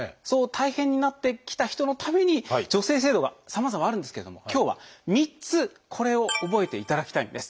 大変になってきた人のために助成制度がさまざまあるんですけれども今日は３つこれを覚えていただきたいんです。